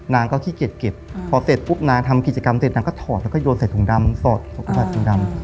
นางก็ขี้เก็ดพอเสร็จปุ๊บนางทำกิจกรรมเสร็จนางก็ถอดแล้วก็โยนใส่ถุงดำ